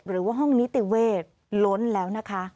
หรือว่าห้องนิติเวศล้นแล้วนะคะ